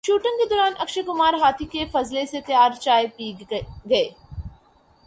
shooting کے دوران اکشے کمار ہاتھی کے فضلے سے تیار چائے پی گئے